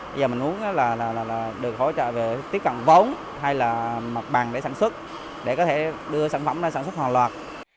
bây giờ mình muốn là được hỗ trợ về tiếp cận vốn hay là mặt bằng để sản xuất để có thể đưa sản phẩm ra sản xuất hoàn loạt